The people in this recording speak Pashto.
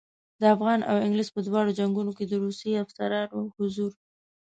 د افغان او انګلیس په دواړو جنګونو کې د روسي افسرانو حضور.